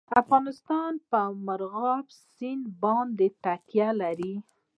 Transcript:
افغانستان په مورغاب سیند باندې تکیه لري.